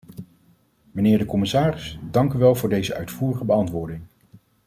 Mijnheer de commissaris, dank u wel voor deze uitvoerige beantwoording.